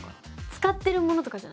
使ってるものとかじゃない？